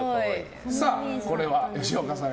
これは吉岡さん